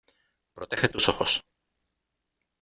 ¡ Protege tus ojos !